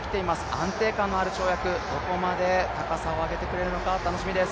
安定感のある跳躍、どこまで高さを上げてくれるのか楽しみです。